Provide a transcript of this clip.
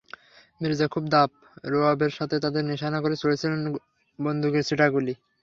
মির্জা খুব দাব রোয়াবের সাথে তাদের নিশানা করে ছুড়েছিলেন বন্দুকের ছিটা গুলি।